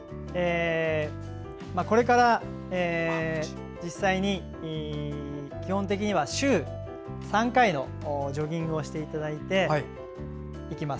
これから、実際に基本的には週３回のジョギングをしていただいていきます。